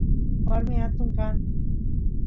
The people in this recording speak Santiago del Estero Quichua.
warmi atun kan